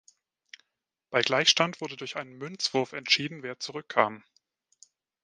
Bei Gleichstand wurde durch einen Münzwurf entschieden, wer zurückkam.